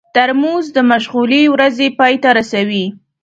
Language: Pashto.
ترموز د مشغولې ورځې پای ته رسوي.